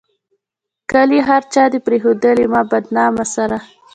کلي هر چا دې پريښودلي ما بدنامه سره